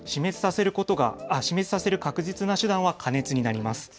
死滅させる確実な手段は加熱になります。